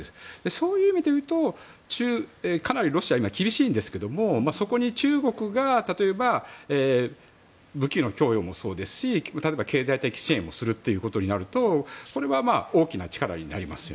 そういう意味で言うとかなりロシアは厳しいんですがそこに中国が例えば武器の供与もそうですし例えば経済的支援をするとなるとこれは大きな力になります。